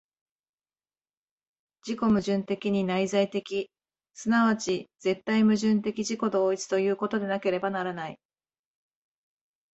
自己矛盾的に内在的、即ち絶対矛盾的自己同一ということでなければならない。